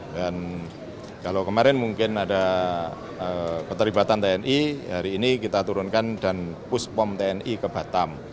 dan kalau kemarin mungkin ada keterlibatan tni hari ini kita turunkan dan pushpom tni ke batam